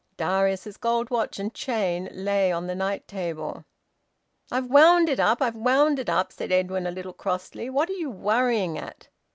Darius's gold watch and chain lay on the night table. "I've wound it up! I've wound it up!" said Edwin, a little crossly. "What are you worrying at?"